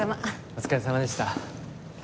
お疲れさまでした。